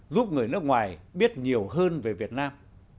giúp người nước ngoài biết nhiều hơn về việt nam